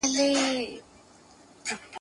څو ښکلیو او رنګینو ونو ته نظر واوښت ..